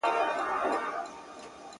جانه راځه د بدن وينه مو په مينه پرېولو!